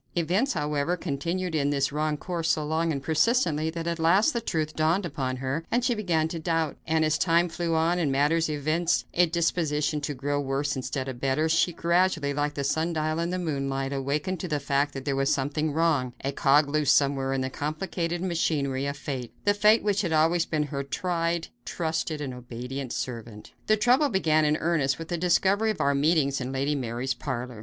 Events, however, continued in this wrong course so long and persistently that at last the truth dawned upon her and she began to doubt; and as time flew on and matters evinced a disposition to grow worse instead of better, she gradually, like the sundial in the moonlight, awakened to the fact that there was something wrong; a cog loose somewhere in the complicated machinery of fate the fate which had always been her tried, trusted and obedient servant. The trouble began in earnest with the discovery of our meetings in Lady Mary's parlor.